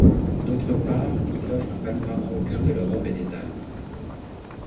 D'autre part, il offre un panorama au cœur de l'Europe et des Alpes.